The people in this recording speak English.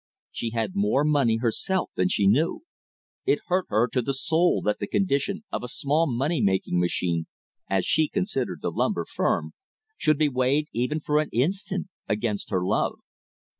She had more money herself than she knew. It hurt her to the soul that the condition of a small money making machine, as she considered the lumber firm, should be weighed even for an instant against her love.